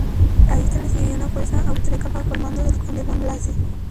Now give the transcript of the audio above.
A esta le seguiría una fuerza austriaca bajo el mando del conde von Lacy.